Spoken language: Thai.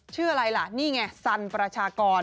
ชื่ออะไรล่ะนี่ไงสันประชากร